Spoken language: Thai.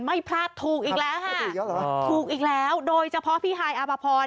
ไม่พลาดถูกอีกแล้วค่ะถูกอีกแล้วโดยเฉพาะพี่ฮายอาภพร